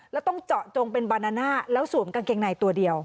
แล้วต้องเจาะจงเป็นบานาน่าแล้วสวมกางเกงในตัวเดียว